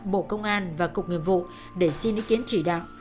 bộ công an và cục nghiệp vụ để xin ý kiến chỉ đạo